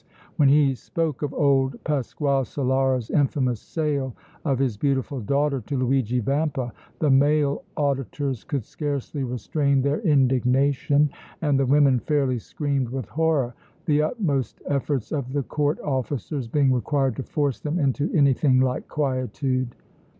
When he spoke of old Pasquale Solara's infamous sale of his beautiful daughter to Luigi Vampa the male auditors could scarcely restrain their indignation and the women fairly screamed with horror, the utmost efforts of the Court officers being required to force them into anything like quietude.